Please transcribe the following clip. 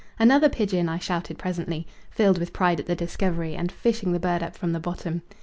"Another pigeon!" I shouted presently, filled with pride at the discovery and fishing the bird up from the bottom.